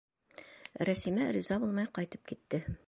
Рәсимә риза булмай ҡайтып китте.